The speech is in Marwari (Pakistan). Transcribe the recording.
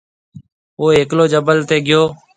او ھيَََڪلو جبل تي گيو۔